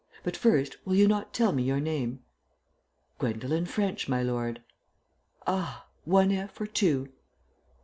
But first, will you not tell me your name?" "Gwendolen French, my lord." "Ah! One 'f' or two?"